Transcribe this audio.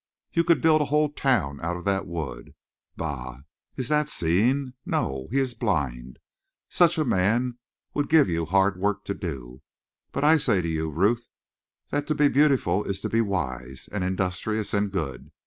'You could build a whole town out of that wood!' Bah! Is that seeing? No, he is blind! Such a man would give you hard work to do. But I say to you, Ruth, that to be beautiful is to be wise, and industrious, and good.